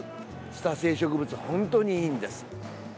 つた性植物、本当にいいんです。